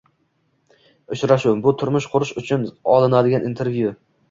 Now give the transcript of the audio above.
Uchrashuv - bu turmush qurish uchun olinadigan intervyu...